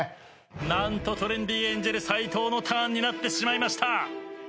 何とトレンディエンジェル斎藤のターンになってしまいました。